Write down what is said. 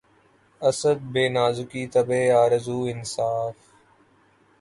اسد! بہ نازکیِ طبعِ آرزو انصاف